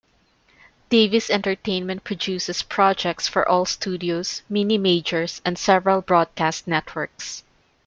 Davis Entertainment produces projects for all studios, mini-majors, and several broadcast networks.